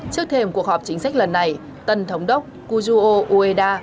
trước thềm cuộc họp chính sách lần này tân thống đốc kuzuo ueda